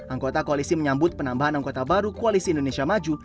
anggota koalisi menyambut penambahan anggota baru koalisi indonesia maju